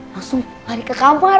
langsung lari ke kamar